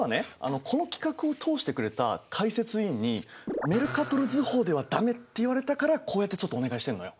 この企画を通してくれた解説委員に「メルカトル図法ではダメ！」って言われたからこうやってちょっとお願いしてんのよ。